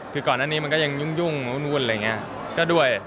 คือก่อนหน้านี้มันก็ยังยุ่งวุ่นอะไรอย่างนี้ก็ด้วย